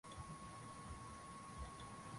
kungonjeka kwake makamu wa rais Goodluck Jonathan